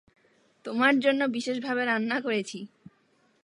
তোমার জন্য বিশেষভাবে রান্না করেছি।